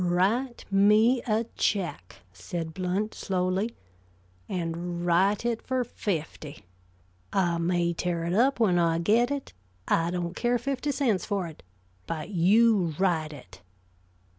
"Write me a check," said Blount, slowly, "and write it for fifty. I may tear it up when I get it I don't care fifty cents for it but you write it!"